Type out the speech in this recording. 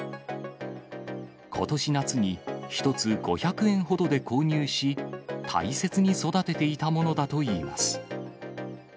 ことし夏に１つ５００円ほどで購入し、大切に育てていたものだといいます。